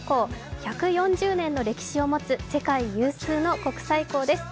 １４０年の歴史を持つ世界有数の国際港です。